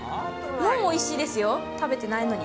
もうおいしいですよ、食べてないのに。